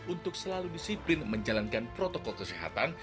untuk selalu disiplin menjalankan protokol kesehatan